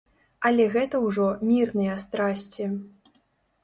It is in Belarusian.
Але гэта ўжо мірныя страсці.